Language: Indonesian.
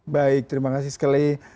baik terima kasih sekali